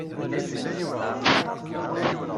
Acampan, ma ulac aɣilif.